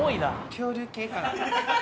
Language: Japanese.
恐竜系かな？